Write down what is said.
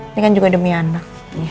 ini kan juga demi anak